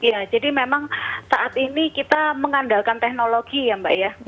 ya jadi memang saat ini kita mengandalkan teknologi ya mbak ya